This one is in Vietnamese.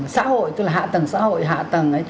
xã hội tức là hạ tầng xã hội hạ tầng ấy